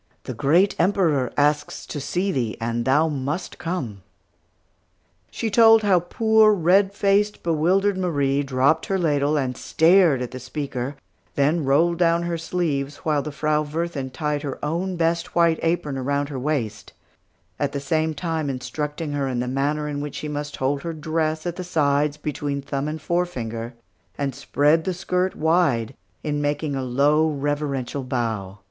The great Emperor asks to see thee, and thou must come!" She told how poor, red faced, bewildered Marie dropped her ladle and stared at the speaker, then rolled down her sleeves while the Frau Wirthin tied her own best white apron around her waist, at the same time instructing her in the manner in which she must hold her dress at the sides, between thumb and forefinger, and spread the skirt wide, in making a low, reverential bow.